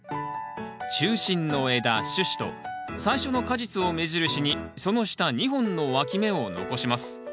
中心の枝主枝と最初の果実を目印にその下２本のわき芽を残します。